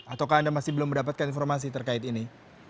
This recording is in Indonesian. ataukah anda masih belum mendapatkan informasi terkait ini